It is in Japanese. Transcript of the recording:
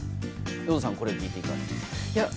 有働さんこれ聞いていかがですか？